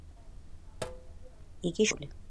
იგი შუა ორ ხაზშია მოთავსებული.